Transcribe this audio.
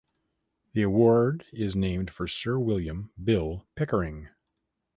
The award is named for Sir William (Bill) Pickering.